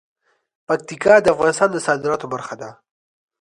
پکتیکا د افغانستان د صادراتو برخه ده.